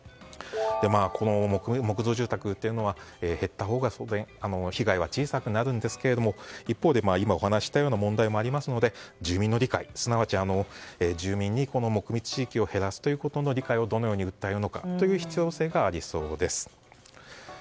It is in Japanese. この木造住宅というのは減ったほうが当然、被害は小さくなりますが一方で今お話ししたような問題もありますので住民の理解すなわち住民に木密地域を減らすということの理解をどのように訴えるかという必要性がありそうです。